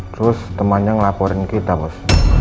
terus temannya ngelaporin kita mas